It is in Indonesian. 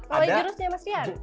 kalau jurusnya mas rian